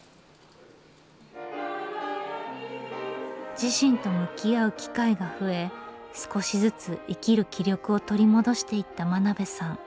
自身と向き合う機会が増え少しずつ生きる気力を取り戻していった真鍋さん。